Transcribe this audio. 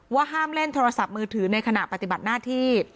ห้ามเล่นโทรศัพท์มือถือในขณะปฏิบัติหน้าที่